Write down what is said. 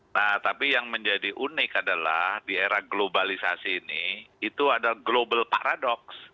nah tapi yang menjadi unik adalah di era globalisasi ini itu ada global paradoks